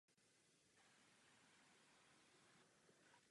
V Evropě není žádný druh původní.